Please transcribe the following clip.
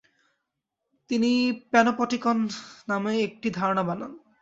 তিনি 'প্যানোপটিকন' নামে একটি ধারণা বানান।